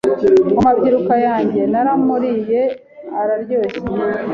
mu mabyiruka yanjye naramuriye araryoshye